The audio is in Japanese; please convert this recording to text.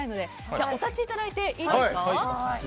今日はお立ちいただいていいですか。